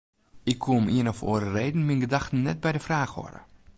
Ik koe om ien of oare reden myn gedachten net by de fraach hâlde.